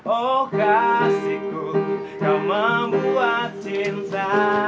oh kasihku kau membuat cinta